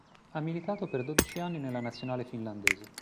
Ha militato per dodici anni nella nazionale finlandese.